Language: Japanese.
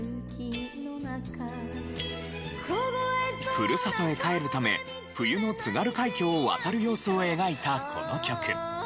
ふるさとへ帰るため冬の津軽海峡を渡る様子を描いたこの曲。